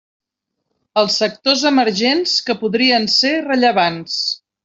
Els sectors emergents que podrien ser rellevants.